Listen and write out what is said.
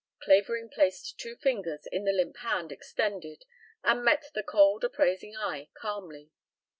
Clavering placed two fingers in the limp hand extended and met the cold appraising eye calmly.